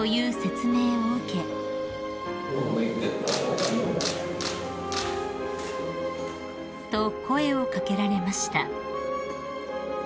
［と声を掛けられました］